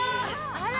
あら！